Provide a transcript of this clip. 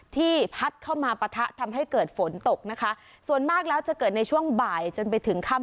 ที่พัดเข้ามาปะทะทำให้เกิดฝนตกนะคะส่วนมากแล้วจะเกิดในช่วงบ่ายจนไปถึงค่ำ